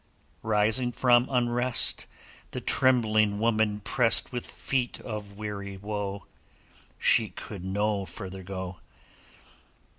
Rising from unrest, The trembling woman pressed With feet of weary woe; She could no further go.